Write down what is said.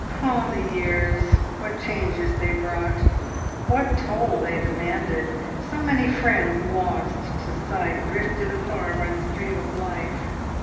Ah! The years what changes they brought! What toll they demanded! So many friends lost to sight, drifted afar by the stream of life.